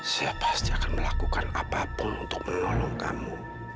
saya pasti akan melakukan apapun untuk menolong kamu